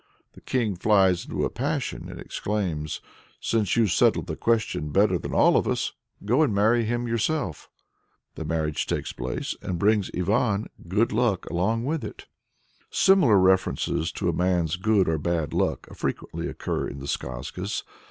The king flies into a passion and exclaims: "Since you've settled the question better than all of us, go and marry him yourself!" The marriage takes place, and brings Ivan good luck along with it. Similar references to a man's good or bad luck frequently occur in the skazkas.